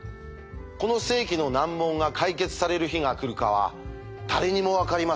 この世紀の難問が解決される日が来るかは誰にも分かりません。